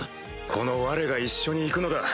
このわれが一緒に行くのだ。